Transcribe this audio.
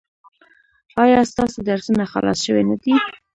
ایا ستاسو درسونه خلاص شوي نه دي؟